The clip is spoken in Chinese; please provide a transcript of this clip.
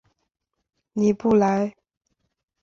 尼布莱。